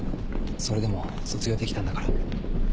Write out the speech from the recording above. それでも卒業できたんだから。